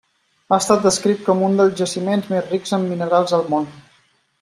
Ha estat descrit com un dels jaciments més rics en minerals al món.